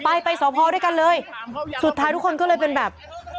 ไปไปสอบพอด้วยกันเลยสุดท้ายทุกคนก็เลยเป็นแบบ